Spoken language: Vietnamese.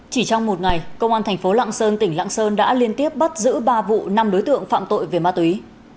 chỉ trong một ngày công an thành phố lạng sơn tỉnh lạng sơn đã liên tiếp bắt giữ ba vụ năm đối tượng phạm tội về ma túy